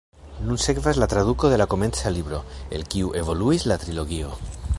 Nun sekvas la traduko de la komenca libro, el kiu evoluis la trilogio.